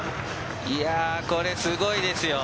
これすごいですよ。